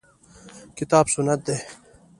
کتاب سنت دي.